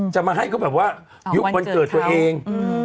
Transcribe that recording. จะมาให้เขาแบบว่ายุควันเกิดตัวเอง